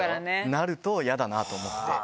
なると、やだなと思って。